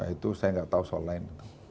itu saya nggak tahu soal lain